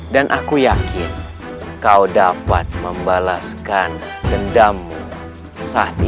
dan aku yakin kau dapat membalaskan dendammu saat ini